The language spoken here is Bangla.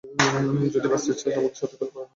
যদি বাঁচতে চাস আমাকে সাথে করে বাইরে নিয়ে যা।